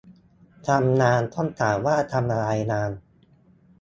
ทำนาน ต้องถามว่าทำอะไรนาน